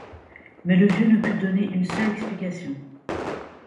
Mais le vieux ne put donner une seule explication.